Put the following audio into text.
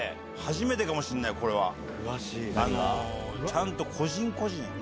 ちゃんと個人個人。